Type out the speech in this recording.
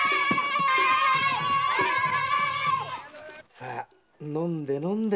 さぁ飲んで飲んで。